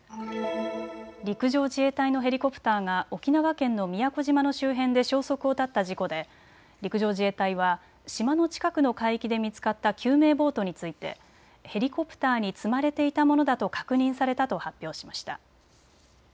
陸上自衛隊のヘリコプターが沖縄県の宮古島の周辺で消息を絶った事故で陸上自衛隊は島の近くの海域で見つかった救命ボートについてヘリコプターに積まれていたものだと確認されたと発表しました。